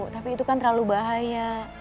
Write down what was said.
tapi itu kan terlalu bahaya